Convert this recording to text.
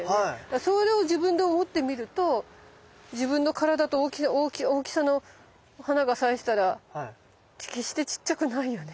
それを自分で思ってみると自分の体の大きさの花が咲いてたら決してちっちゃくないよね。